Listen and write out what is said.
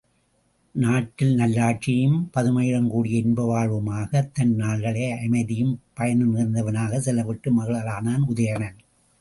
நாட்டிலே நல்லாட்சியும், பதுமையுடன் கூடிய இன்ப வாழ்வுமாகத் தன் நாள்களை அமைதியும் பயனும் நிறைந்தனவாகச் செலவிட்டு மகிழலானான் உதயணன்.